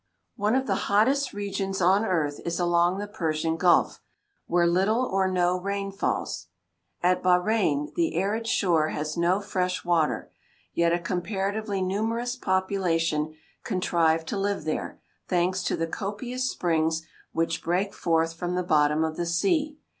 = One of the hottest regions on earth is along the Persian Gulf, where little or no rain falls. At Bahrein the arid shore has no fresh water, yet a comparatively numerous population contrive to live there, thanks to the copious springs which break forth from the bottom of the sea.